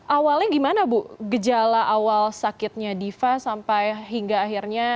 awalnya gimana bu gejala awal sakitnya diva sampai hingga akhirnya